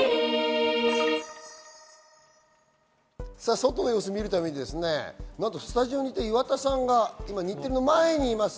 外の様子を見るために、スタジオにいた岩田さんが日テレ前にいます。